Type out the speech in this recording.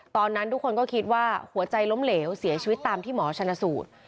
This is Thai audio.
ตอนนั้นทุกคนก็คิดว่าหัวใจล้มเหลวเสียชีวิตตามที่หมอชนสูตร